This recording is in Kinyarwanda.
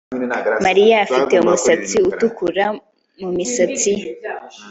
Mariya afite umusatsi utukura mumisatsi ye